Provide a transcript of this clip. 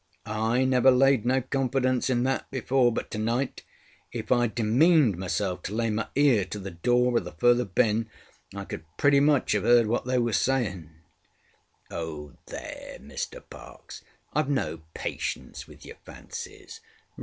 I never laid no confidence in that before; but tonight, if IŌĆÖd demeaned myself to lay my ear to the door of the further bin, I could pretty much have heard what they was saying. ŌĆØ ŌĆ£Oh, there, Mr Parkes, IŌĆÖve no patience with your fancies!